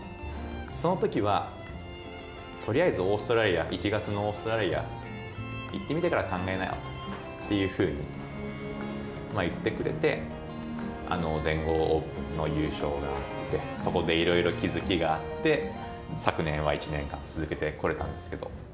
そのときは、とりあえずオーストラリア、１月のオーストラリア、行ってみてから考えなよっていうふうに、まあ、言ってくれて、全豪オープンの優勝があって、そこでいろいろ気づきがあって、昨年は１年間続けてこれたんですけど。